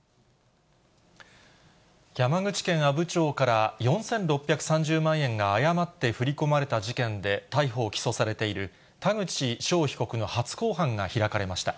山口県阿武町から４６３０万円が誤って振り込まれた事件で逮捕・起訴されている田口翔被告の初公判が開かれました。